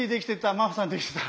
ママさんできてた。